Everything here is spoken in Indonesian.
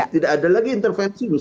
tidak ada lagi intervensi